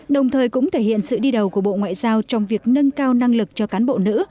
đồng thời cũng thể hiện sự đi đầu của bộ ngoại giao trong việc nâng cao năng lực cho cán bộ nữ